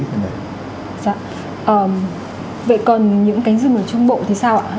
vậy còn những cánh rừng ở trung bộ thì sao ạ